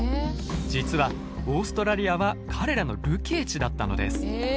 実はオーストラリアは彼らの流刑地だったのです。え！